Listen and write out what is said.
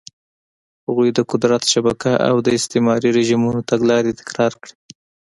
هغوی د قدرت شبکه او د استعماري رژیمونو تګلارې تکرار کړې.